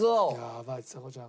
やばいちさ子ちゃん